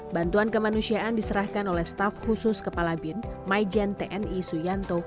bantuan kemanusiaan diserahkan oleh staf khusus kepala bin maijen tni suyanto